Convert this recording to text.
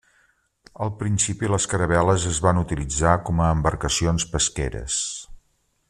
Al principi les caravel·les es van utilitzar com a embarcacions pesqueres.